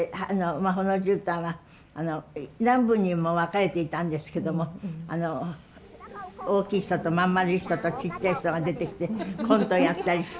「魔法のじゅうたん」は何部にも分かれていたんですけども大きい人と真ん丸い人とちっちゃい人が出てきてコントやったりして。